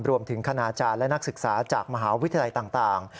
คณาจารย์และนักศึกษาจากมหาวิทยาลัยต่าง